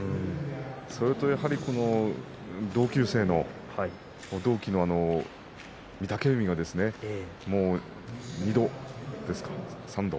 それとやはり同級生の同期の御嶽海が２度、３度